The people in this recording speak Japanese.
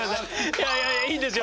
いやいやいいんですよ。